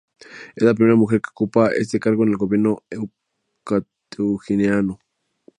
Es la primera mujer que ocupa este cargo en el Gobierno ecuatoguineano.